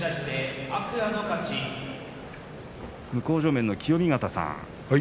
向正面の清見潟さん